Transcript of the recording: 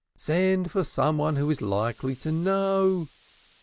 Send for some one who is likely to know."